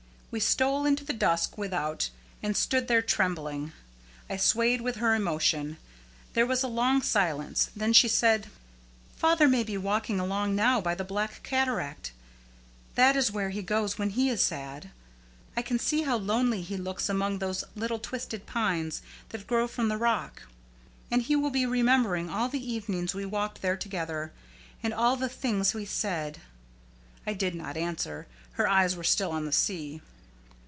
We stole into the dusk without, and stood there trembling. I swayed with her emotion. There was a long silence. Then she said: "Father may be walking alone now by the black cataract. That is where he goes when he is sad. I can see how lonely he looks among those little twisted pines that grow from the rock. And he will be remembering all the evenings we walked there together, and all the things we said." I did not answer. Her eyes were still on the sea.